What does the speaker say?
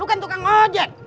lo kan tukang ojek